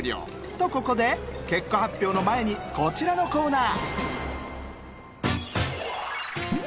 とここで結果発表の前にこちらのコーナー。